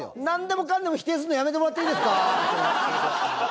なんでもかんでも否定するのやめてもらっていいですか？